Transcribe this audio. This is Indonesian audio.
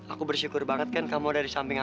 aku bersyukur banget ken kamu dari samping aku